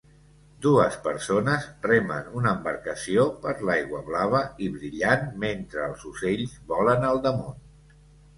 Dues persones remen una embarcació per l'aigua blava i brillant mentre els ocells volen al damunt.